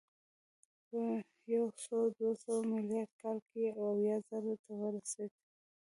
په یو سوه دوه سوه میلادي کال کې اویا زرو ته ورسېد